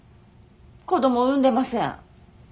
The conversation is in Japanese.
子供産んでません。